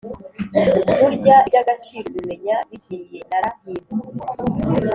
burya iby’agaciro ubimenya bigiye narahindutse